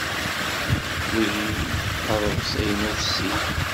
Wihin d aḍebsi-inu ussid.